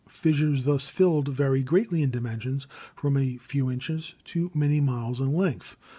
Fissures thus filled vary greatly in dimensions, from a few inches to many miles in length.